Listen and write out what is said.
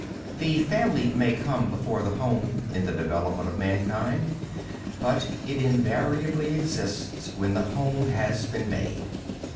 The family may come before the home, in the development of mankind, but it invariably exists when the home has been made.